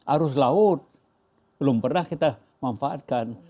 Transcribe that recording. arus laut belum pernah kita manfaatkan